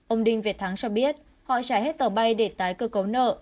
ông đinh việt thắng cho biết họ trả hết tàu bay để tái cơ cấu nợ